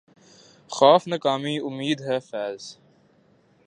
خوف ناکامئ امید ہے فیضؔ